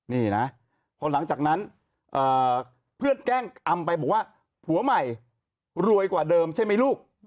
นี่นะพอหลังจากนั้นเพื่อนแกล้งอำไปบอกว่าผัวใหม่รวยกว่าเดิมใช่ไหมลูก